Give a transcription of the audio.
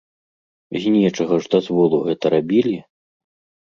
З нечага ж дазволу гэта рабілі!